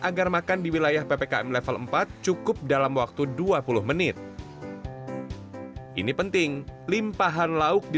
agar makan di wilayah ppkm level empat cukup dalam waktu dua puluh menit ini penting limpahan lauk di